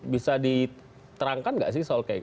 bisa diterangkan nggak sih